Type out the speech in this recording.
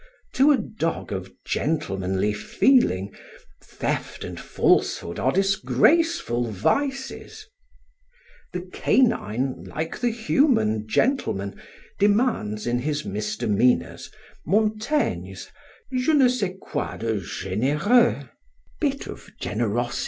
To a dog of gentlemanly feeling theft and falsehood are disgraceful vices. The canine, like the human, gentleman demands in his misdemeanours Montaigne's "je ne sais quoi de genéréux."